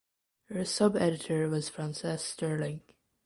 Her subeditor was Frances Sterling.